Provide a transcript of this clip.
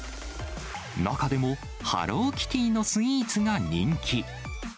中でもハローキティのスイーツが人気。